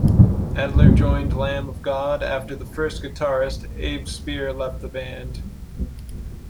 Adler joined Lamb of God after the first guitarist, Abe Spear, left the band.